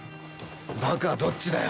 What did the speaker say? バカはどっちだよ。